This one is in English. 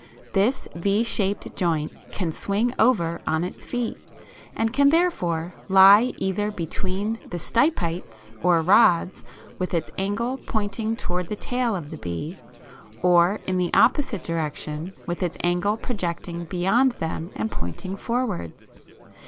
This V shaped joint can swing over on its feet, and can therefore lie either between the stipites or rods with its angle pointing towards the tail of the bee, or in the opposite direction with its angle projecting beyond them and pointing forwards.